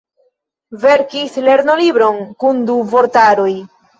Verkis lernolibron kun du vortaroj.